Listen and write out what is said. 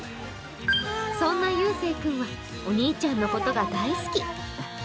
そんなゆうせいくんはお兄ちゃんのことが大好き。